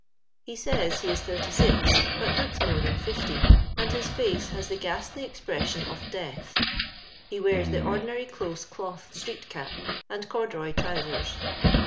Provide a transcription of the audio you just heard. He says he is thirty six, but looks more than fifty; and his face has the ghastly expression of death. He wears the ordinary close cloth street cap and corduroy trousers.